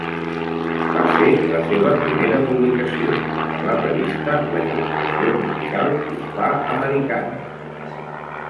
Va ser la seva primera publicació, en la revista La Il·lustració Musical Hispà-Americana.